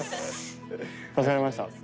助かりました。